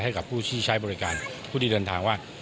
ให้กับผู้ที่ใช้บริการผู้ที่เดินทางว่า